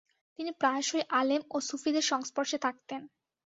তিনি প্রায়শই আলেম ও সুফীদের সংস্পর্ষে থাকতেন।